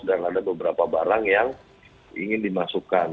dan ada beberapa barang yang ingin dimasukkan